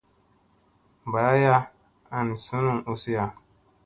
Mba aya, an sunuŋ uziya.